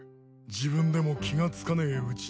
自分でも気が付かねえうちにな。